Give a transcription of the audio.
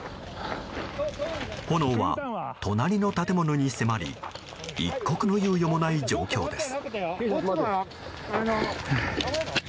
炎は、隣の建物に迫り一刻の猶予もない状況です。